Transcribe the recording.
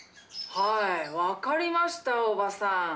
はい分かりました伯母さん。